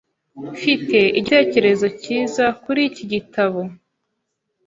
Mfite igitekerezo cyiza kuri iki gitabo.